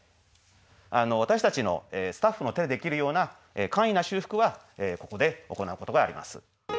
私たちのスタッフの手でできるような簡易な修復はここで行うことがあります。